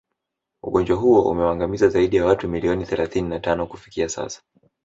Ugonjwa huo umewaangamiza zaidi ya watu milioni thalathini na tano kufikia sasa